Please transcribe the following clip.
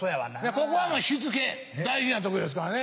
ここはもうしつけ大事なとこですからね。